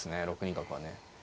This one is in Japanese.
６二角はね。